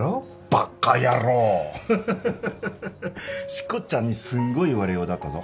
しこちゃんにすんごい言われようだったぞ。